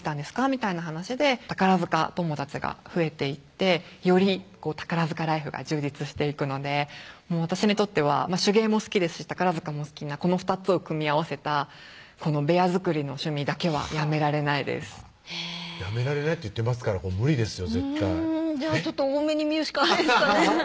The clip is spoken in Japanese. みたいな話で宝塚友達が増えていってより宝塚ライフが充実していくので私にとっては手芸も好きですし宝塚も好きなこの２つを組み合わせたこのベア作りの趣味だけはやめられないです「やめられない」って言ってますから無理ですよ絶対じゃあちょっと大目に見るしかないですかね